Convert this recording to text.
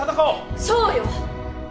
そうよ！